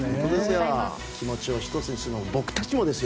気持ちを１つにするのは僕たちもです。